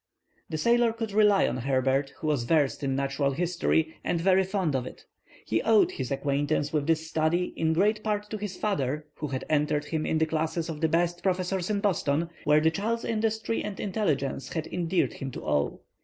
The sailor could rely on Herbert, who was versed in Natural History and very fond of it. He owed his acquaintance with this study in great part to his father, who had entered him in the classes of the best professors in Boston, where the child's industry and intelligence had endeared him to all.